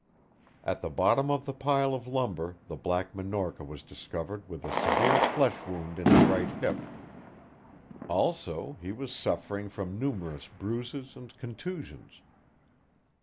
At the bottom of the pile of lumber the Black Minorca was discovered with a severe flesh wound in his right hip; also he was suffering from numerous bruises and contusions.